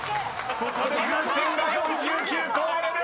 ［ここで風船が４９個割れる！］